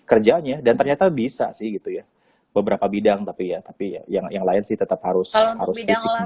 kerjanya dan ternyata bisa sih gitu ya beberapa bidang tapi ya tapi yang lain sih tetap harus harus fisik